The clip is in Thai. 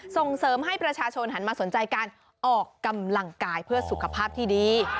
ส่งเสริมให้ประชาชนหันมาสนใจการออกกำลังกายเพื่อสุขภาพที่ดี